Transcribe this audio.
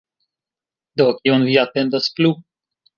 Do, kion vi atendas plu?